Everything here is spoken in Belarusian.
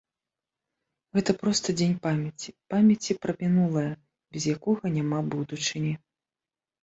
Гэта проста дзень памяці, памяці пра мінулае, без якога няма будучыні.